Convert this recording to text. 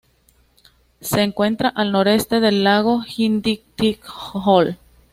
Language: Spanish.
Se encuentra al noroeste del lago Jindiktig-Jol.